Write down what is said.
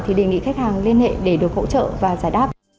thì đề nghị khách hàng liên hệ để được hỗ trợ và giải đáp